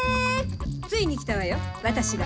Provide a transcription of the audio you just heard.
ついに来たわよ、私が。